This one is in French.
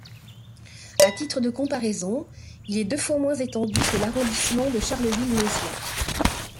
À titre de comparaison, il est deux fois moins étendu que l’arrondissement de Charleville-Mézières.